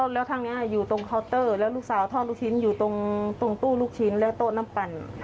แล้วทางนี้อยู่ตรงเคาน์เตอร์แล้วลูกสาวทอดลูกชิ้นอยู่ตรงตู้ลูกชิ้นและโต๊ะน้ำปั่น